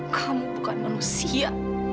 kamu bukan manusia